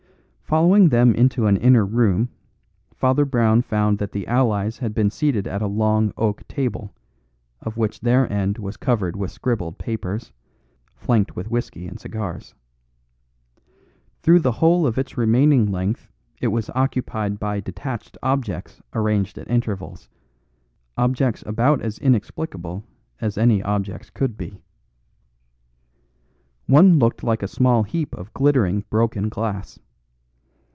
Following them into an inner room, Father Brown found that the allies had been seated at a long oak table, of which their end was covered with scribbled papers, flanked with whisky and cigars. Through the whole of its remaining length it was occupied by detached objects arranged at intervals; objects about as inexplicable as any objects could be. One looked like a small heap of glittering broken glass.